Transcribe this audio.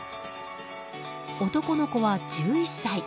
男の子は１１歳。